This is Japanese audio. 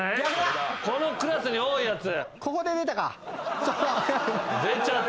このクラスに多いやつ。